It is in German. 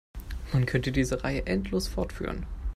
Man könnte diese Reihe endlos fortführen.